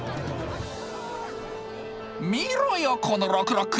「見ろよこのろくろ首！